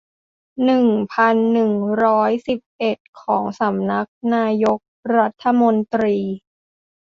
หนึ่งพันหนึ่งร้อยสิบเอ็ด ของสำนักนายกรัฐมนตรี